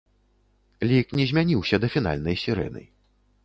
Лік не змяніўся да фінальнай сірэны.